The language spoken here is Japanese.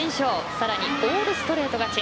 さらに、オールストレート勝ち。